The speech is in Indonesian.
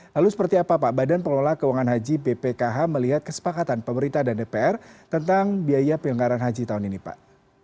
lalu seperti apa pak badan pengelola keuangan haji bpkh melihat kesepakatan pemerintah dan dpr tentang biaya penyelenggaran haji tahun ini pak